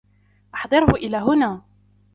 احضره الى هنا.